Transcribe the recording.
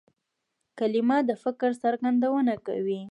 کلیمه د فکر څرګندونه کوي.